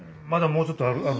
まだもうちょっとある。